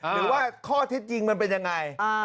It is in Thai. หรือว่าข้อเท็จจริงมันเป็นยังไง